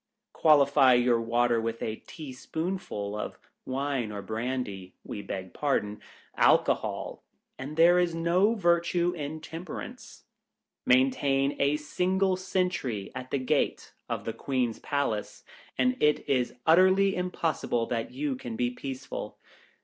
Qualify your water with a tea spoonful of wine or brandy — we beg pardon — alcohol — and there is no virtue in Temperance. Maintain a single sentry at the gate of the Queen's Palace, and it is utterly impossible that you can be peaceful.